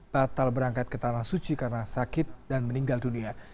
batal berangkat ke tanah suci karena sakit dan meninggal dunia